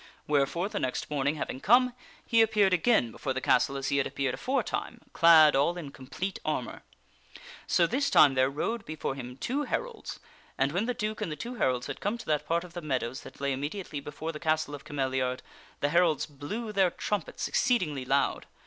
Wherefore, the next morning having come, he appeared again before the castle as he had appeared aforetime clad all in complete armor. So this time there rode before him two heralds, and when the duke and the two heralds had come to that part of the meadows that lay immediately before the castle of Cameliard, the heralds blew their trumpets exceedingly loud.